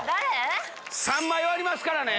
３枚割りますからね。